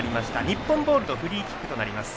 日本ボールのフリーキックです。